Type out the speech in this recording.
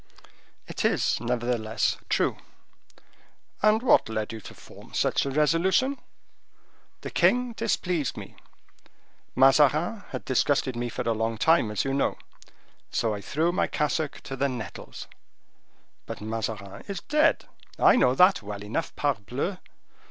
"It is nevertheless true." "And what led you to form such a resolution." "The king displeased me. Mazarin had disgusted me for a long time, as you know; so I threw my cassock to the nettles." "But Mazarin is dead." "I know that well enough, parbleu!